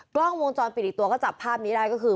กล้องวงจรปิดอีกตัวก็จับภาพนี้ได้ก็คือ